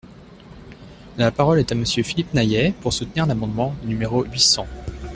La parole est à Monsieur Philippe Naillet, pour soutenir l’amendement numéro huit cents.